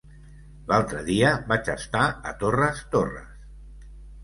L'altre dia vaig estar a Torres Torres.